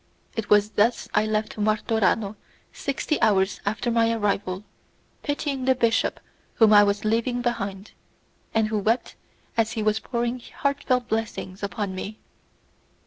It was thus I left Martorano sixty hours after my arrival, pitying the bishop whom I was leaving behind, and who wept as he was pouring heartfelt blessings upon me.